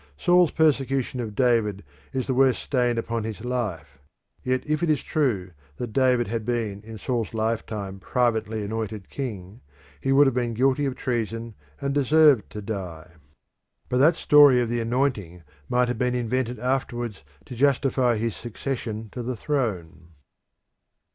Saul's persecution of David is the worst stain upon his life, yet if it is true that David had been in Saul's lifetime privately anointed king, he was guilty of treason and deserved to die. But that story of the anointing might have been invented afterwards to justify his succession to the throne.